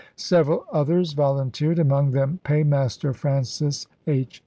1 Several others volun teered, among them Paymaster Francis H.